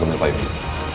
gue beli payung dia